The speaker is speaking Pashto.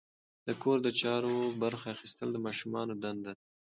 د کور د چارو برخه اخیستل د ماشومانو دنده ده.